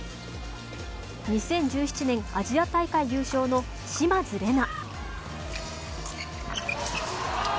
２０１７年アジア大会優勝の島津玲奈。